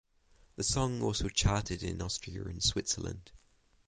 The song also charted in Austria and Switzerland.